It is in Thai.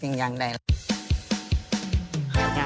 ปิ้งย่างได้